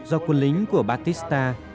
do quân lính của batista